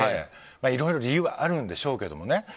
いろいろ理由はあるんでしょうけどね。